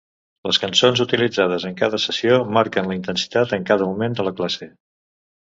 Les cançons utilitzades en cada sessió marquen la intensitat en cada moment de la classe.